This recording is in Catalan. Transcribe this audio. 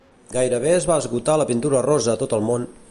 gairebé es va esgotar la pintura rosa a tot el món